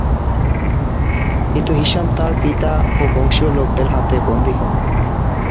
কিন্তু হিশাম তার পিতা ও বংশীয় লোকদের হাতে বন্দী হন।